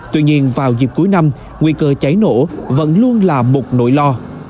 tuy nhiên vào dịp cuối năm nguy cơ cháy nổ vẫn luôn là một nỗi lo